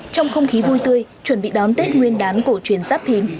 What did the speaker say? trong không khí vui tươi chuẩn bị đón tết nguyên đán cổ truyền giáp thìn